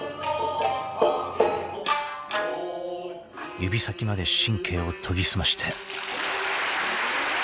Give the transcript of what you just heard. ［指先まで神経を研ぎ澄まして］